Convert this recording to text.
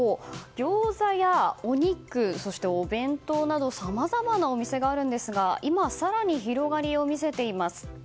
ギョーザやお肉そしてお弁当などさまざまなお店があるんですが今、更に広がりを見せています。